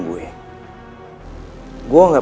kasih apaan kan